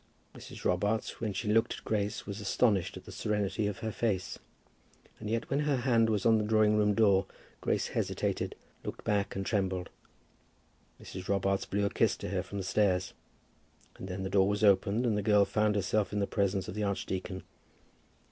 Mrs. Robarts, as she looked at Grace, was astonished at the serenity of her face. And yet when her hand was on the drawing room door Grace hesitated, looked back, and trembled. Mrs. Robarts blew a kiss to her from the stairs; and then the door was opened, and the girl found herself in the presence of the archdeacon.